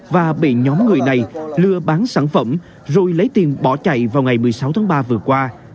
và bị nhóm người này lừa bán sản phẩm rồi lấy tiền bỏ chạy vào ngày một mươi sáu tháng ba vừa qua